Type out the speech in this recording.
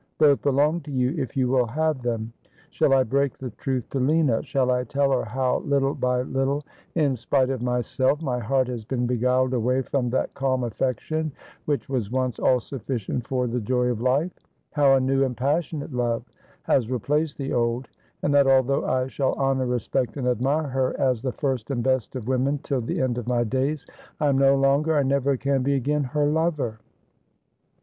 Both belong to you if you Avill have them. Shall I break the truth to Lina ? Shall I tell htr how, little by little, in spite of myself, my heart has been beguiled away from that calm affection which was once all sufficient for the joy of life ; how a new and passionate love has replaced the old ; and that, although I shall honour, respect, and admire her as the first and best of women till the end of my days, I am no longer, I never can be again, her lover